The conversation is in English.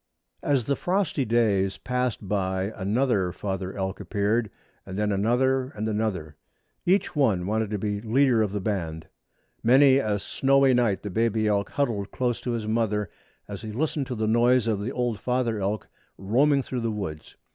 As the frosty days passed by another father elk appeared, and then another and another. Each one wanted to be leader of the band. Many a snowy night the baby elk huddled close to his mother as he listened to the noise of the old father elk roaming through the woods.